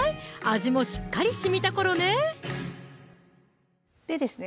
味もしっかりしみた頃ねでですね